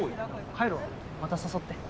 帰るわまた誘って。